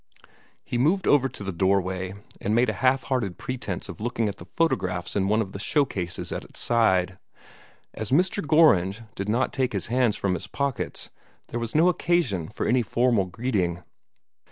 He moved over to the door way, and made a half hearted pretence of looking at the photographs in one of the show cases at its side. As Mr. Gorringe did not take his hands from his pockets, there was no occasion for any formal greeting.